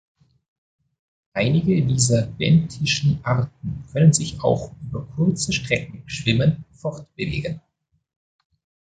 Einige dieser benthischen Arten können sich auch über kurze Strecken schwimmend fortbewegen.